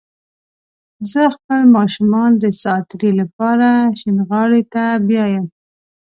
زه خپل ماشومان د ساعتيرى لپاره شينغالي ته بيايم